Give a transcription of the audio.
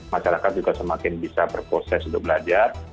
masyarakat juga semakin bisa berproses untuk belajar